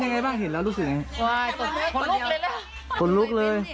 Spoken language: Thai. ยังไงบ้างเห็นแล้วรู้สึกยังไงโอ้ยตอนลูกเลยนะตอนลูกเลย